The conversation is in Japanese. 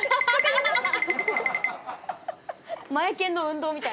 マエケンの運動みたい。